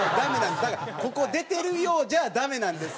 だからここ出てるようじゃダメなんです。